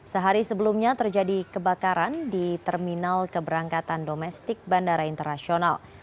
sehari sebelumnya terjadi kebakaran di terminal keberangkatan domestik bandara internasional